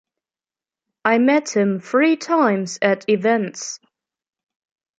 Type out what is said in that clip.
I met him three times at events.